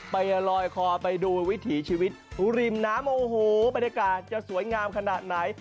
ไปลอยคอไปดูวิถีชีวิตริมน้ำโอ้โหบรรยากาศจะสวยงามขนาดไหน